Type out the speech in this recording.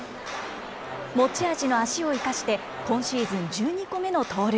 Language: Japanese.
持ち味の足を生かして、今シーズン１２個目の盗塁。